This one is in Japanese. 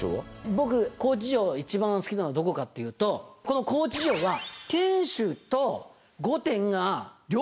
僕高知城一番好きなのどこかっていうとこの高知城ははぁ。